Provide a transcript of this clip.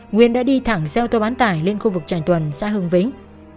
nguyên đã đi thẳng xe ô tô bán tải lên khu vực trành tuần xã hưng vĩnh